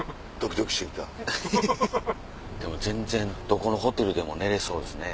でも全然どこのホテルでも寝れそうですね。